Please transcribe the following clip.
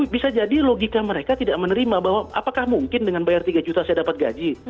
bisa jadi logika mereka tidak menerima bahwa apakah mungkin dengan bayar tiga juta saya dapat gaji